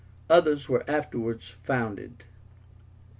Others were afterwards founded.